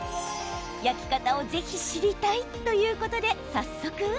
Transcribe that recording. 焼き方をぜひ知りたいということで早速。